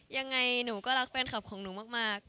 ยังไงหนูก็รักแฟนคลับของหนูมาก